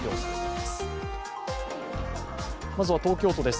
まずは東京都です。